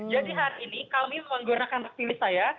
jadi hari ini kami menggunakan hak pilih saya